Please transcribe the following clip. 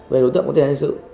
về đối tượng của tiền hành sự